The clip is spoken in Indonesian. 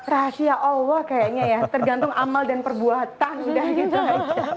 rahasia allah kayaknya ya tergantung amal dan perbuatan udah gitu ya